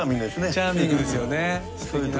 チャーミングですよね。